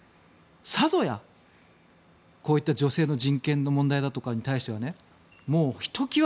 さぞや、こういった女性の人権の問題に対してはもう、ひと際